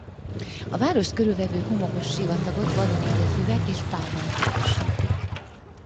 A várost körülvevő homokos sivatagot vadon élő füvek és pálmák ékesítik.